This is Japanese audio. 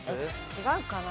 違うかな。